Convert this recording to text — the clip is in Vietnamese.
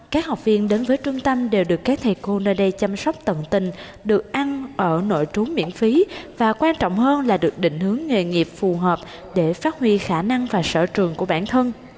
các học viên đến với trung tâm đều được các thầy cô nơi đây chăm sóc tận tình được ăn ở nội trú miễn phí và quan trọng hơn là được định hướng nghề nghiệp phù hợp để phát huy khả năng và sở trường của bản thân